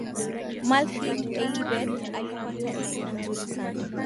malki elibeth alipata elimu nzuri sana